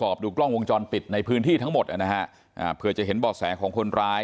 ดูกล้องวงจรปิดในพื้นที่ทั้งหมดนะฮะอ่าเผื่อจะเห็นบ่อแสของคนร้าย